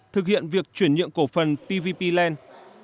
thực hiện việc chuyển nhượng cổ phần pvp land